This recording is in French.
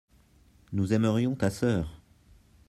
nous aimerions ta sœur.